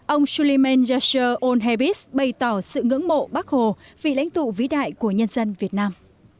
ông suleyman yashir olhabis bày tỏ sự ngưỡng mộ bác hồ vì lãnh tụ vĩ đại của nhân dân việt nam